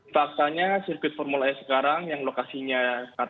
faktanya sirkuit formula e sekarang yang lokasinya katanya di tempat lain